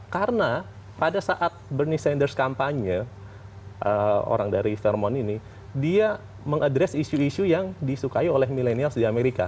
karena pada saat bernie sanders kampanye orang dari vermont ini dia mengadres isu isu yang disukai oleh milenials di amerika